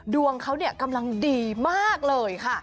ดวงเขากำลังดีมากเลยค่ะ